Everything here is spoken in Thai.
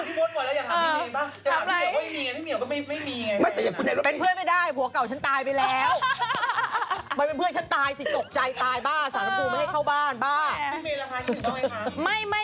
พี่เมย์ล่ะคะคิดต้องไงคะ